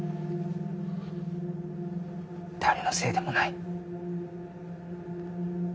誰のせいでもない。